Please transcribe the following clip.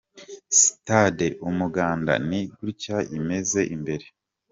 Sitade Umuganda ni gutya imeze imbere.